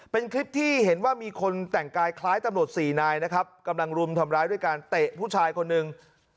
เป็นคลิปที่เห็นว่ามีคนแต่งกายคล้ายตำรวจสี่นายนะครับกำลังรุมทำร้ายด้วยการเตะผู้ชายคนหนึ่ง